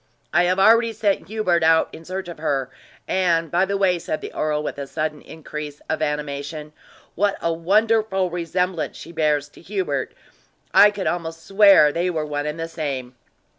I have already sent Hubert out in search of her; and, by the way," said the earl, with a sudden increase of animation, "what a wonderful resemblance she bears to Hubert I could almost swear they were one and the same!"